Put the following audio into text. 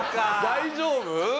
大丈夫？